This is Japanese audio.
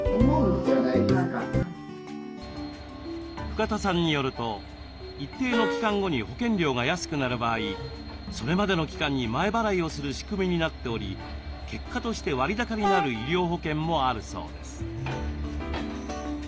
深田さんによると一定の期間後に保険料が安くなる場合それまでの期間に前払いをする仕組みになっており結果として割高になる医療保険もあるそうです。